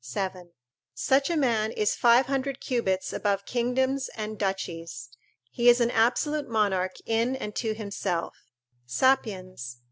7,] such a man is five hundred cubits above kingdoms and duchies; he is an absolute monarch in and to himself: "Sapiens